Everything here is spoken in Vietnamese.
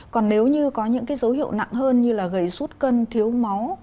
còn nếu như có những dấu hiệu nặng hơn như gầy suốt cân thiếu máu